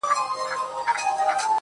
گراني خبري سوې د وخت ملكې .